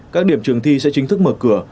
các điểm trường thi sẽ chính thức mở cửa